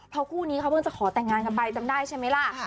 เพราะคู่นี้เขาเพิ่งจะขอแต่งงานกันไปจำได้ใช่ไหมล่ะ